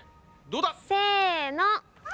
どうだ？せの！